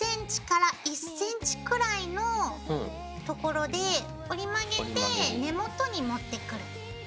０．５ｃｍ１ｃｍくらいのところで折り曲げて根元に持ってくる。